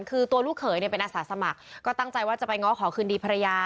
คือตัวลูกเขยเนี่ยเป็นอาสาสมัครก็ตั้งใจว่าจะไปง้อขอคืนดีภรรยา